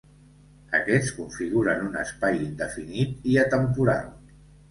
Aquests configuren un espai indefinit i atemporal.